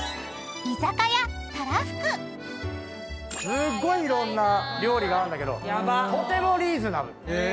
すっごいいろんな料理があるんだけどとてもリーズナブル。